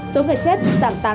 số người chết giảm tám sáu